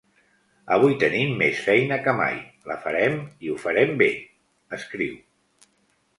Avui tenim més feina que mai, la farem i ho farem bé, escriu.